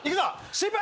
審判。